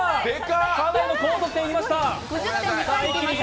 かなりの高得点出ました。